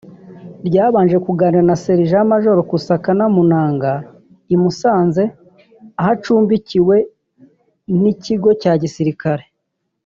ryabanje kuganira na Sergent majoro Kusakana Munanga imusanze aho acumbikiwe n’ikigo cya gisirikare